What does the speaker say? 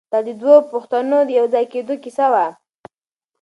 دا د دوو پښتنو د یو ځای کېدو کیسه وه.